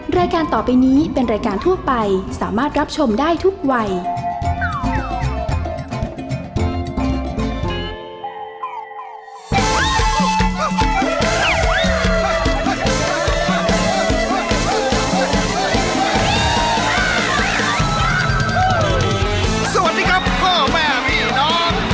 สวัสดีครับพ่อแม่ผีน้อง